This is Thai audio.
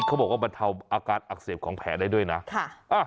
เขาบอกว่าบรรเทาอาการอักเสบของแผลได้ด้วยนะ